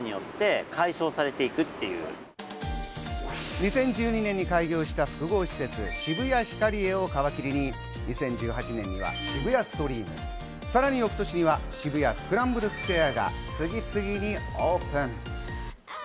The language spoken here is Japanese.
２０１２年に開業した複合施設・渋谷ヒカリエを皮切りに２０１８年には渋谷ストリーム、さらに翌年には渋谷スクランブルスクエアが次々にオープン。